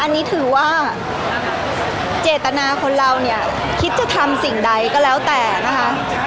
อันนี้ถือว่าเจตนาคนเราเนี่ยคิดจะทำสิ่งใดก็แล้วแต่นะคะ